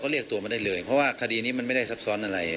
สำหรับคดีนี้ไม่ได้ชับซ้อนอะไร